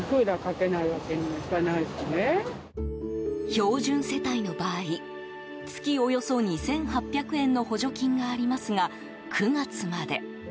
標準世帯の場合月およそ２８００円の補助金がありますが９月まで。